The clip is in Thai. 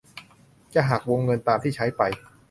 จะหักวงเงินตามที่ใช้ไป